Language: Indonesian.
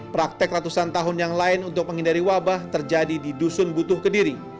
praktek ratusan tahun yang lain untuk menghindari wabah terjadi di dusun butuh kediri